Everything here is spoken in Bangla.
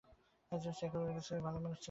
একজন সেকেলেগোছের অতি ভালোমানুষ ছিল বক্তা।